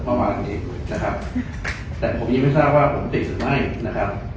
เมื่อวานเมื่อที่แต่ผมยังไม่ทราบว่าผมติดออกหรือไม่